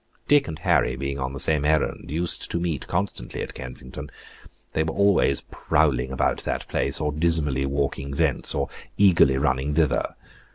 Dick and Harry, being on the same errand, used to meet constantly at Kensington. They were always prowling about that place, or dismally walking thence, or eagerly running thither.